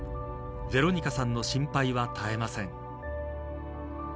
ヴェロニカさんの心配は絶えません。